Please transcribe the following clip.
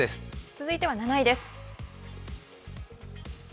続いては７位です。